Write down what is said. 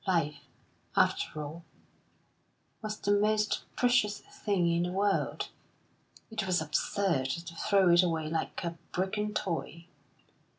Life, after all, was the most precious thing in the world. It was absurd to throw it away like a broken toy.